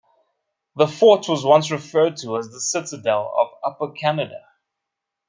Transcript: The fort was once referred to as the "Citadel of Upper Canada".